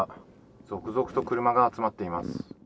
続々と車が集まっています。